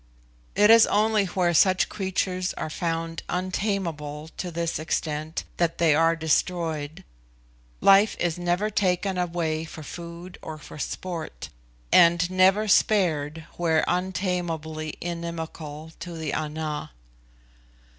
It is only where such creatures are found untamable to this extent that they are destroyed. Life is never taken away for food or for sport, and never spared where untamably inimical to the Ana.